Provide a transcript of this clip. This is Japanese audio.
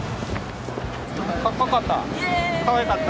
かっこよかった。